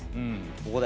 ここで。